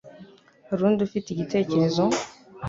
Hari undi ufite igitekerezo?